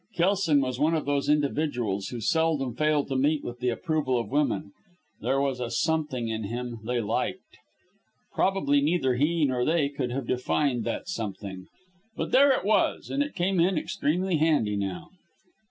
Kelson was one of those individuals who seldom fail to meet with the approval of women there was a something in him they liked. Probably neither he nor they could have defined that something; but there it was, and it came in extremely handy now.